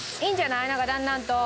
なんかだんだんと。